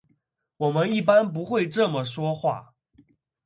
我们一般不会这么说话。